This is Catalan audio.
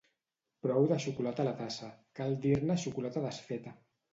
Prou de xocolata a la tassa, cal dir-ne xocolata desfeta